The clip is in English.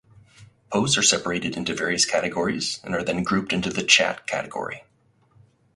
Posts are separated into various categories and are then grouped in the "Chat" category.